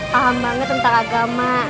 paham banget tentang agama